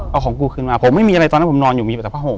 เอาของกูคืนมาผมไม่มีอะไรตอนนั้นผมนอนอยู่มีแต่ผ้าห่ม